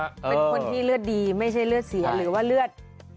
เป็นคนที่เลือดดีไม่ใช่เลือดเสียหรือว่าเลือด